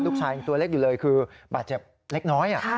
ลูกชายยังตัวเล็กอยู่เลยคือบาดเจ็บเล็กน้อย